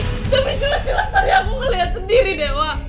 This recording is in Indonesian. tapi juga silahkan aku ngeliat sendiri dewa